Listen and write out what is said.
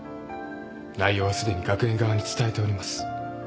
内容はすでに学園側に伝えております。